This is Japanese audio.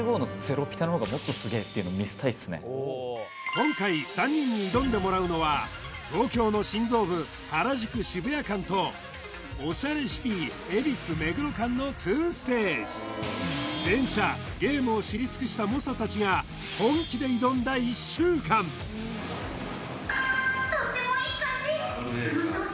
今回３人に挑んでもらうのは東京の心臓部原宿渋谷間とオシャレシティー恵比寿目黒間の２ステージたちが本気で挑んだ１週間とってもいい感じその調子